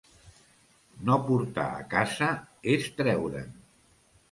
No portar a casa és treure'n.